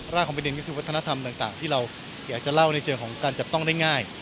ของประเด็นก็คือวัฒนธรรมต่างที่เราอยากจะเล่าในเชิงของการจับต้องได้ง่าย